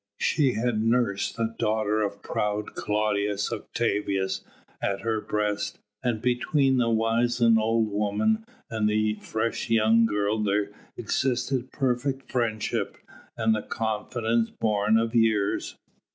She had nursed the daughter of proud Claudius Octavius at her breast, and between the wizened old woman and the fresh young girl there existed perfect friendship and the confidence born of years.